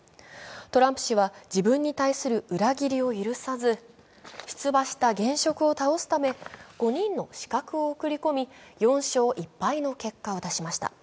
トランプ氏は自分に対する裏切りを許さず出馬した現職を倒すため５人の刺客を送り込み４勝１敗の結果を出しました。